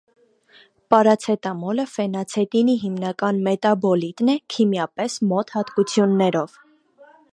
Պարացետամոլը ֆենացետինի հիմնական մետաբոլիտն է՝ քիմիապես մոտ հատկություններով։